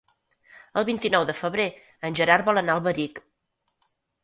El vint-i-nou de febrer en Gerard vol anar a Alberic.